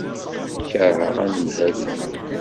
Keṛheɣ anemhal-inu.